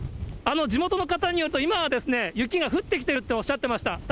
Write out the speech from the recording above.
地元の方によると、今は雪が降ってきてるっておっしゃってました。